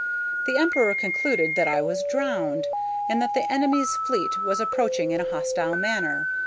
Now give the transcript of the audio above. The Emperor concluded that I was drowned, and that the enemy's fleet was approaching in a hostile manner.